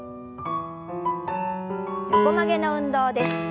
横曲げの運動です。